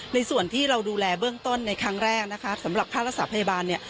ในส่วนที่เราดูแลเบื้องต้นในครั้งแรกนะคะสำหรับค่ารักษาพยาบาลเนี่ย